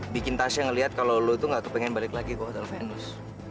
bikin tasya ngeliat kalau lo tuh gak kepengen balik lagi ke hotel venus